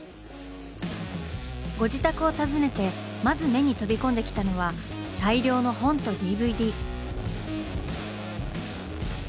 ご自宅を訪ねてまず目に飛び込んできたのは大量の本とＤＶＤ。